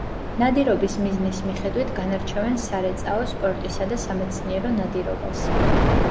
ნადირობის მიზნის მიხედვით განარჩევენ სარეწაო, სპორტისა და სამეცნიერო ნადირობას.